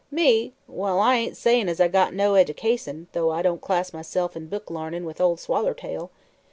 "Me? Well, I ain't sayin' as I got no eddication, though I don't class myself in book l'arnin' with Ol' Swallertail.